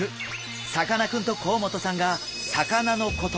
さかなクンと甲本さんが魚のこと